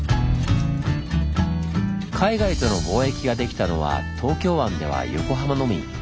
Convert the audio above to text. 海外との貿易ができたのは東京湾では横浜のみ。